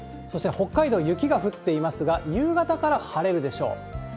そして北海道、雪が降っていますが、夕方から晴れるでしょう。